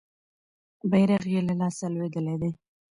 بیرغ یې له لاسه لویدلی دی.